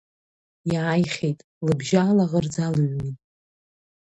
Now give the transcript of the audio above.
Иааихьеит, лыбжьы алаӷырӡ алыҩуан.